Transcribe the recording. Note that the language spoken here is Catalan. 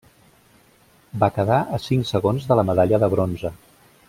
Va quedar a cinc segons de la medalla de bronze.